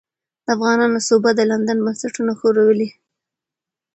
د افغانانو سوبه د لندن بنسټونه ښورولې.